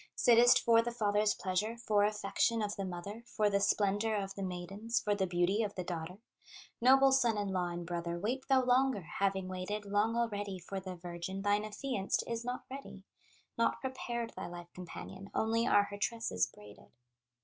Sittest for the father's pleasure, For affection of the mother, For the splendor of the maidens, For the beauty of the daughter? Noble son in law and brother, Wait thou longer, having waited Long already for the virgin, Thine affianced is not ready, Not prepared, thy life companion, Only are her tresses braided.